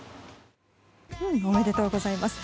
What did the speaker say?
おめでとうございます。